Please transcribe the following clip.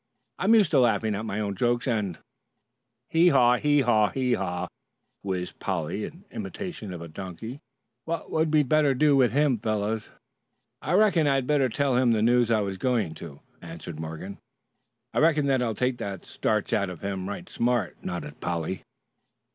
I'm used to laughing at my own jokes and " "Hee haw, hee haw!" wheezed Polly in imitation of a donkey. "What'd we better do with him, fellows?" "I reckon I'd better tell him the news I was going to," answered Morgan. "I reckon that'll take the starch out of him right smart," nodded Polly.